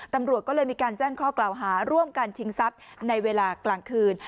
ตำรวจก็เลยมีการแจ้งข้อกล่าวหาร่วมกันชิงทรัพย์ในเวลากลางคืน